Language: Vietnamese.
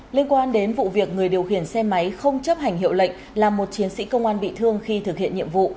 liên quan đến vụ việc người điều khiển xe máy không chấp hành hiệu lệnh làm một chiến sĩ công an bị thương khi thực hiện nhiệm vụ